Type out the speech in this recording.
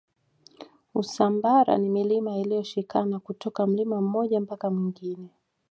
usambara ni milima iliyoshikana kutoka mlima mmoja mpaka mwingine